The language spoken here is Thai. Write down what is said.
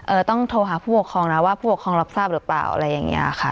ต้องโทรหาผู้ปกครองนะว่าผู้ปกครองรับทราบหรือเปล่าอะไรอย่างเงี้ยค่ะ